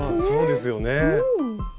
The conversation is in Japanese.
そうですよね。